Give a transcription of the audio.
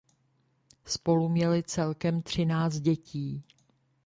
Spolu měli celkem třináct dětí.